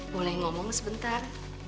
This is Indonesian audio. boleh ngomong sebentar